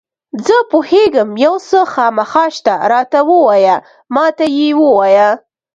زه پوهېږم یو څه خامخا شته، راته ووایه، ما ته یې ووایه.